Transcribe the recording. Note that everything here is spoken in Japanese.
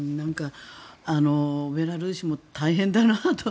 ベラルーシも大変だなと。